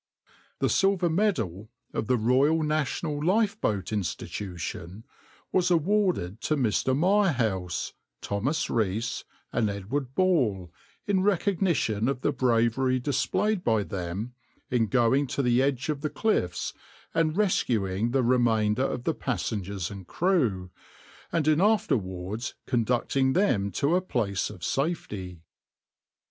\par The silver medal of the Royal National Lifeboat Institution was awarded to Mr. Mirehouse, Thomas Rees, and Edward Ball in recognition of the bravery displayed by them, in going to the edge of the cliffs and rescuing the remainder of the passengers and crew, and in afterwards conducting them to a place of safety.